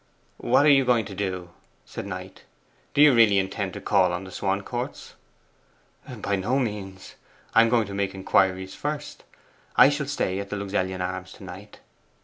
'What are you going to do?' said Knight. 'Do you really intend to call on the Swancourts?' 'By no means. I am going to make inquiries first. I shall stay at the Luxellian Arms to night.